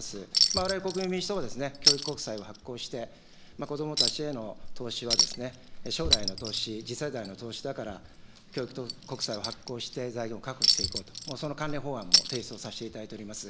われわれ国民民主党は、教育国債を発行して、子どもたちへの投資は将来の投資、次世代の投資だから、教育国債を発行して財源を確保していこうと、その関連法案も提出をさせていただいております。